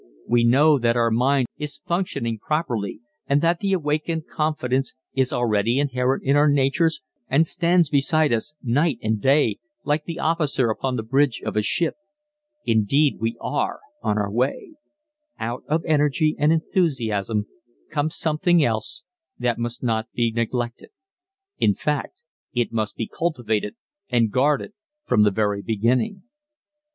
We know that our mind is functioning properly and that the awakened confidence is already inherent in our natures and stands beside us night and day like the officer upon the bridge of the ship. Indeed we are on our way! [Illustration: A Little Spin Among the Saplings] Out of energy and enthusiasm comes something else that must not be neglected ... in fact it must be cultivated and guarded from the very beginning